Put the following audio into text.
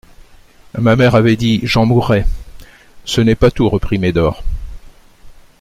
Ma mère avait dit : «J'en mourrai.» Ce n'est pas tout, reprit Médor.